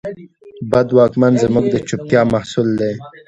بد واکمن زموږ د چوپتیا محصول دی.